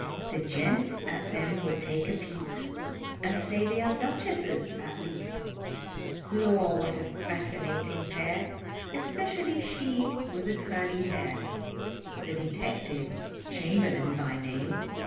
The gents at them would take a peep, And say they are duchesses at least, Lor! what a fascinating pair, Especially she with the curly hair. The detective, Chamberlain by name.